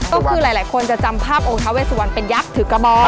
ก็คือหลายคนจะจำภาพองค์ท้าเวสวันเป็นยักษ์ถือกระบอง